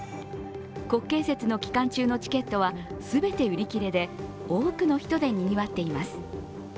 国慶節の期間中のチケットは全て売り切れで多くの人でにぎわっています。